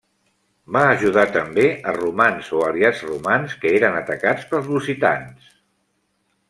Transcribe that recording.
Va ajudar també a romans o aliats romans que eren atacats pels lusitans.